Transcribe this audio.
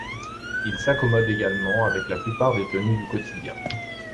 Il s'accommode également avec la plupart des tenues du quotidien.